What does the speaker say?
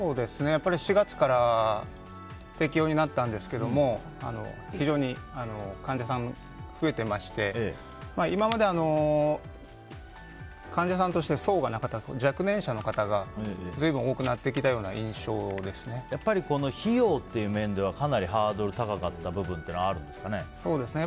４月から適用になったんですけども非常に患者さんが増えていまして今までより患者さんとして若年者の方がずいぶん多くなってきたような費用という面ではかなりハードルが高かった部分あるんですかね。